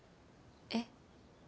えっ？